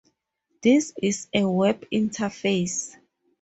This is a web interface